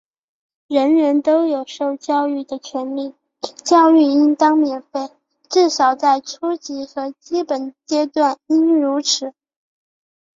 人人都有受教育的权利,教育应当免费,至少在初级和基本阶段应如此。